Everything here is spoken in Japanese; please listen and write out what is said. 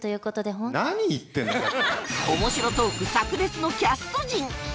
面白トークさく裂のキャスト陣